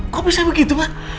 kok bisa begitu ma